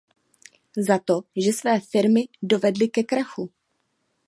Za to, že své firmy dovedli ke krachu!